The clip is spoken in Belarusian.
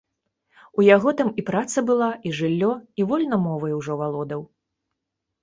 У яго там і праца была, і жыллё, і вольна мовай ужо валодаў.